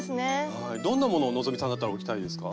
はいどんなものを希さんだったら置きたいですか？